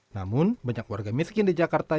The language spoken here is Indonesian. namun banyak warga miskin di jakarta